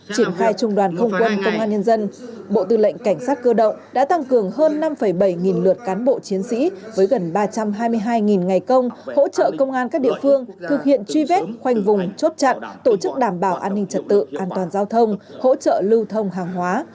triển khai trung đoàn không quân công an nhân dân bộ tư lệnh cảnh sát cơ động đã tăng cường hơn năm bảy nghìn lượt cán bộ chiến sĩ với gần ba trăm hai mươi hai ngày công hỗ trợ công an các địa phương thực hiện truy vết khoanh vùng chốt chặn tổ chức đảm bảo an ninh trật tự an toàn giao thông hỗ trợ lưu thông hàng hóa